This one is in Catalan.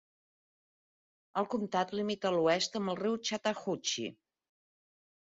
El comptat limita a l'oest amb el riu Chattahoochee.